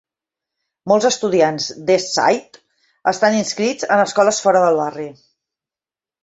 Molts estudiants d'East Side estan inscrits en escoles fora del barri.